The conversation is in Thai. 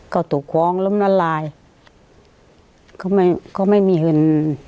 ก็ถูกคล้องแล้วมน่าลายก็ไม่ก็ไม่มีเห็น